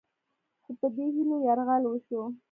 خو په دې هیلو یرغل وشو